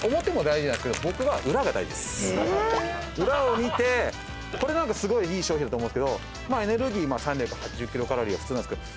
裏を見てこれなんかすごいいい商品だと思うんですけどエネルギー３８０キロカロリーは普通なんですけど。